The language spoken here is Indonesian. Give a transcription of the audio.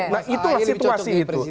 nah itulah situasi itu